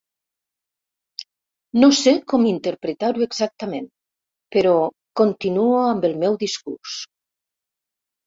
No sé com interpretar-ho exactament, però continuo amb el meu discurs.